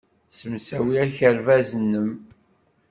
Ssemsawi akerbas-nnem.